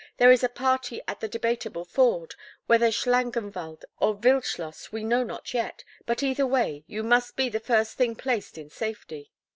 There is a party at the Debateable Ford, whether Schlangenwald or Wildschloss we know not yet, but either way you must be the first thing placed in safety."